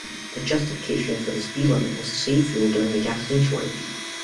The justification for the speed limit was to save fuel during the gasoline shortage.